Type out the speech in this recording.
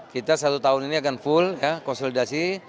kita satu tahun ini akan full konsolidasi